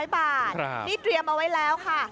๐บาทนี่เตรียมเอาไว้แล้วค่ะ